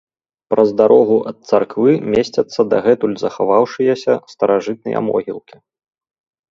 Праз дарогу ад царквы месцяцца дагэтуль захаваўшыяся старажытныя могілкі.